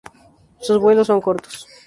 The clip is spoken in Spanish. Sus vuelos son cortos.